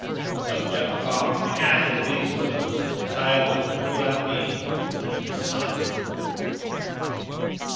So Ja'afar began in these words the TALE OF NUR AL DIN AND HIS SON.